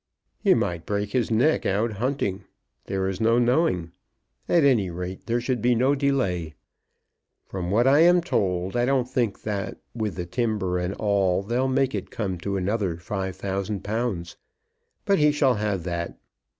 "He might break his neck out hunting. There is no knowing. At any rate there should be no delay. From what I am told I don't think that with the timber and all they'll make it come to another £5,000; but he shall have that.